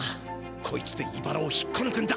こいつでいばらを引っこぬくんだ！